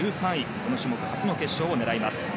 この種目初の決勝を狙います。